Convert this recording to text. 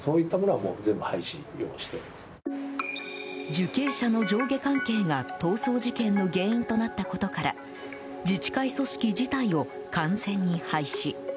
受刑者の上下関係が逃走事件の原因となったことから自治会組織自体を完全に廃止。